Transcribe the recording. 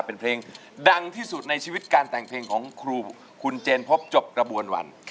เป็นเพลงดังที่สุดในชีวิตการแต่งเพลงของครูคุณเจนพบจบกระบวนวัน